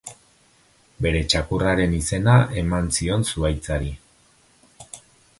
Bere txakurraren izena eman zion zuhaitzari.